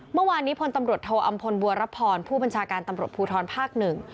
เมื่อวานนี้พลตำรวจโทอำพลบัวรับพรผู้บัญชาการตำรวจภูทรภาคหนึ่ง